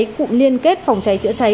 cùng liên kết phòng cháy chữa cháy